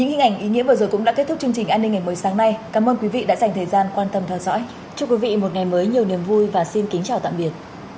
hãy đăng ký kênh để ủng hộ kênh của mình nhé